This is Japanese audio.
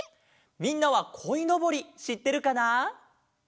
みんなはこいのぼりしってるかな？